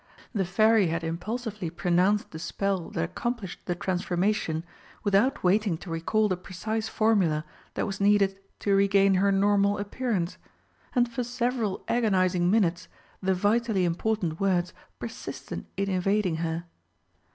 The Fairy had impulsively pronounced the spell that accomplished the transformation without waiting to recall the precise formula that was needed to regain her normal appearance, and for several agonising minutes the vitally important words persisted in evading her.